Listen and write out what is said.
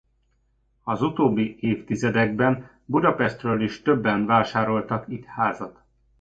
Az utóbbi évtizedekben Budapestről is többen vásároltak itt házat.